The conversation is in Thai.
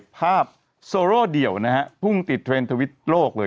โซโร่เดี่ยวนะฮะพุ่งติดเทรนด์ทวิตโลกเลย